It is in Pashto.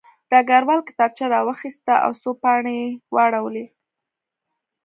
ډګروال کتابچه راواخیسته او څو پاڼې یې واړولې